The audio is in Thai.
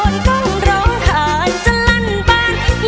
อยากแต่งานกับเธออยากแต่งานกับเธอ